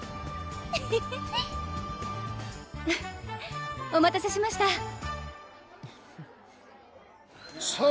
・フフフお待たせしましたさぁ